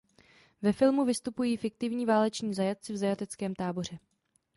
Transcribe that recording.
Ve filmu vystupují fiktivní váleční zajatci v zajateckém táboře.